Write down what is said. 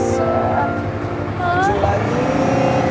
set lanjut lagi